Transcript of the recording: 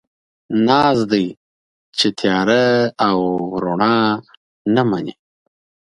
ناز دی، چې تياره او رڼا نه مني